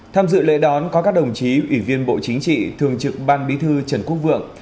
tham dự lễ đón có các đồng chí ủy viên bộ chính trị thường trực ban bí thư trần quốc vượng